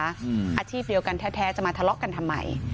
อาชีพเดียวกันแท้จะมาทะเลาะกันทำไม